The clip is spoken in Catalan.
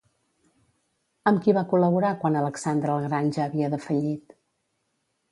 Amb qui va col·laborar quan Alexandre el Gran ja havia defallit?